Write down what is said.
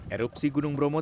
erupsi gunung bromo